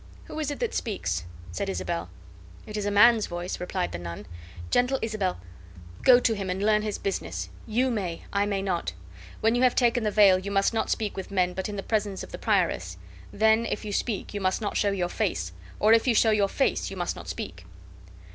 "Who is it that speaks?" said Isabel. "It is a man's voice," replied the nun. "Gentle Isabel, go to him, and learn his business; you may, I may not. When you have taken the veil, you must not speak with men but in the presence of the prioress; then if you speak you must not show your face, or if you show your face you must not speak."